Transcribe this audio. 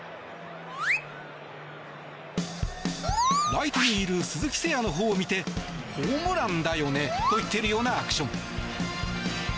ライトにいる鈴木誠也のほうを見てホームランだよね？と言っているようなアクション。